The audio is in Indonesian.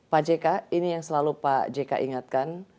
pak jk ini yang selalu pak jk ingatkan